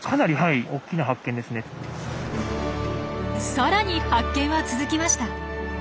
さらに発見は続きました。